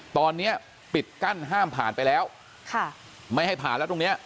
ตอนนี้ปิดกั้นห้ามผ่านไปแล้วค่ะไม่ให้ผ่านแล้วตรงเนี้ย